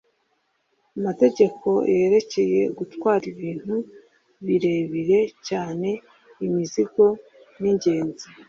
amategeko yerekeye gutwara ibintu birebire cyane imizigo ningenzi